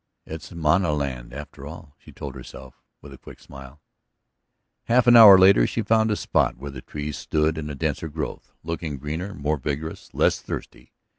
"It's mañana land, after all," she told herself with a quick smile. Half an hour later she found a spot where the trees stood in a denser growth, looking greener, more vigorous ... less thirsty.